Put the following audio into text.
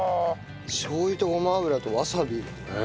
しょう油とごま油とわさび。